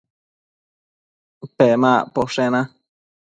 Pemacpashoda